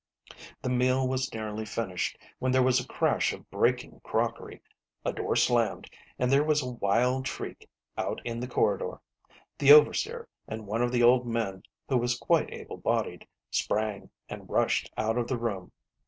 The meal was nearly finished when there was a crash of breaking crockery, a door slammed, and there was a wild 88 SISTER LIDD V. shriek out in the corridor. The overseer and one of the old men who was quite able bodied sprang and rushed out of the room.